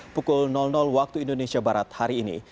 pukul waktu indonesia barat hari ini